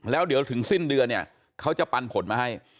แล้วเดี๋ยวถึงสิ้นเดือนเนี่ยเขาจะปันผลมาให้